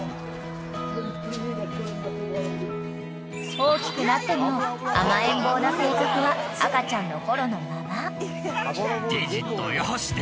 ［大きくなっても甘えん坊な性格は赤ちゃんのころのまま］